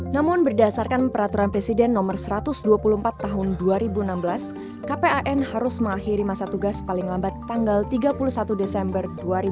namun berdasarkan peraturan presiden no satu ratus dua puluh empat tahun dua ribu enam belas kpan harus mengakhiri masa tugas paling lambat tanggal tiga puluh satu desember dua ribu dua puluh